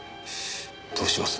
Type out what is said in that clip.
どうします？